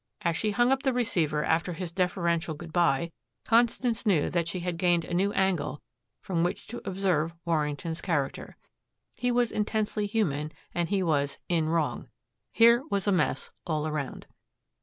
As she hung up the receiver after his deferential goodbye, Constance knew that she had gained a new angle from which to observe Warrington's character. He was intensely human and he was "in wrong." Here was a mess, all around.